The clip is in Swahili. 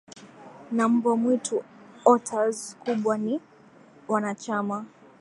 na mbwa mwitu otters kubwa ni wanachama